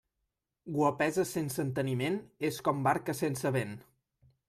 Guapesa sense enteniment és com barca sense vent.